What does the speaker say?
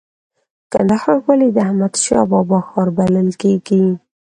کندهار ولې د احمد شاه بابا ښار بلل کیږي؟